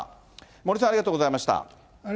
森さん、ありがとうございました。